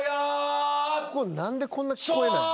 これ何でこんな聞こえないの？